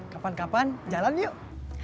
kapan kapan jalan yuk